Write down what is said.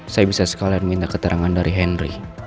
saya bisa sekalian minta keterangan dari henry